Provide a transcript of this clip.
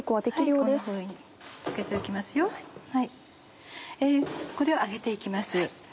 これを揚げて行きます。